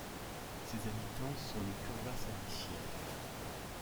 Ses habitants sont les Curvasaliciens.